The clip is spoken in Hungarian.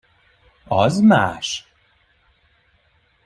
Az más!